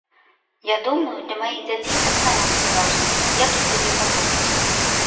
Я думаю, для маіх дзяцей таксама будзе важна, як я сябе паводзіў.